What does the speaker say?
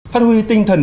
phát huy tinh thần